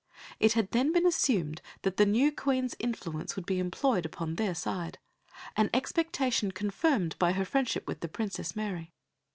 It had then been assumed that the new Queen's influence would be employed upon their side an expectation confirmed by her friendship with the Princess Mary.